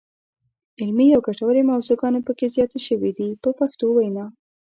علمي او ګټورې موضوعګانې پکې زیاتې شوې دي په پښتو وینا.